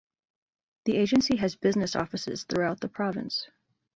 The agency has business offices throughout the province.